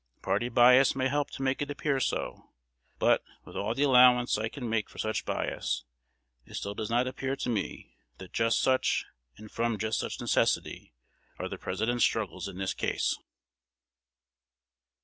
Party bias may help to make it appear so; but, with all the allowance I can make for such bias, it still does appear to me that just such, and from just such necessity, are the President's struggles in this case.